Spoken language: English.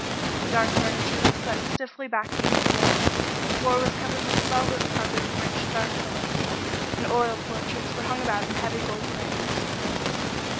The dark furniture was set stiffly back against the walls, the floor was covered with a velvet carpet of rich, dark colors, and oil portraits were hung about in heavy gold frames.